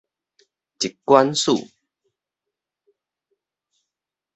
疾管署